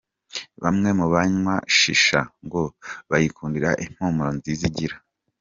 Bamwe mu banywa Shisha, ngo bayikundira impumuro nziza igira.